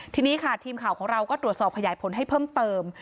ทีนี้ค่ะทีมข่าวของเราก็ตรวจสอบขยายผลให้เพิ่มเติม